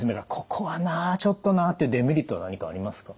ここはなあちょっとなあっていうデメリット何かありますか？